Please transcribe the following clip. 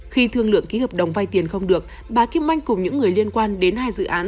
khi thương lượng ký hợp đồng vay tiền không được bà kim anh cùng những người liên quan đến hai dự án